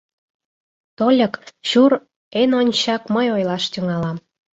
— Тольык, чур, эн ончычак мый ойлаш тӱҥалам.